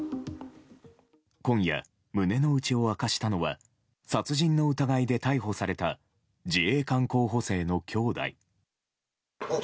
今夜、胸の内を明かしたのは殺人の疑いで逮捕された自衛官候補生のきょうだい。